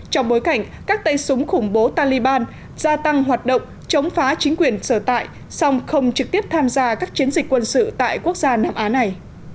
trong bối cảnh các tay súng khủng bố taliban gia tăng hoạt động chống phá chính quyền sở tại song không trực tiếp tham gia các chiến dịch quân sự tại quốc gia nam á này